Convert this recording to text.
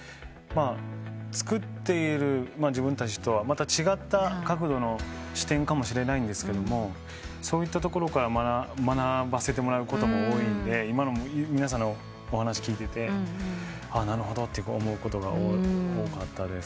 作っている自分たちとはまた違った角度の視点かもしれないんですけどそういったところから学ばせてもらうことも多いんで今の皆さんのお話聞いててなるほどと思うことが多かったですね。